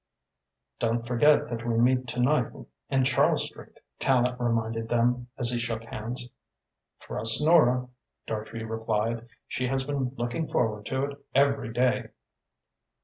"Don't forget that we meet to night in Charles Street," Tallente reminded them, as he shook hands. "Trust Nora," Dartrey replied. "She has been looking forward to it every day."